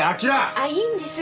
ああいいんです。